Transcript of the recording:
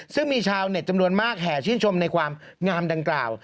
ซึ่งมีชาวเน็ตจำนวนมากแห่ชื่นชมในความงามดังกล่าว